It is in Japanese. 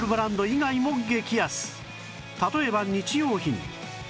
例えば日用品